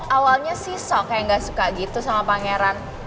awalnya sisok yang gak suka gitu sama pangeran